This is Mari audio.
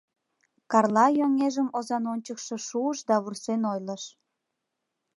Карла йоҥежым озан ончыкшо шуыш да вурсен ойлыш: